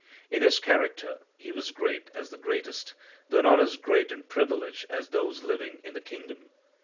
In his character he was great as the greatest, though not as great in privilege as those living in the kingdom.